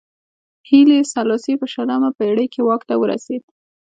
هیلي سلاسي په شلمه پېړۍ کې واک ته ورسېد.